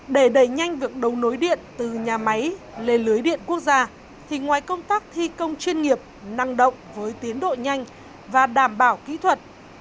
để đẩy nhanh việc đấu nối điện từ nhà máy lên lưới điện quốc gia thì ngoài công tác thi công chuyên nghiệp năng động với tiến độ nhanh và đảm bảo kỹ thuật